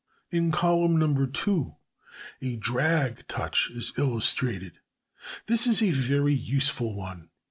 In column No. 2 a drag touch is illustrated. This is a very useful one.